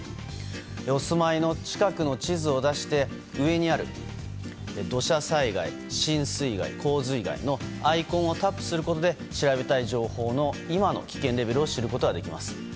お住まいの近くの地図を出して上にある土砂災害、浸水害、洪水害のアイコンをタップすることで調べたい情報の今の危険レベルを知ることができます。